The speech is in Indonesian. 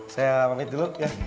saya pamit dulu ya